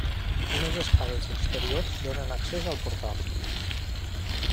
Unes escales exteriors donen accés al portal.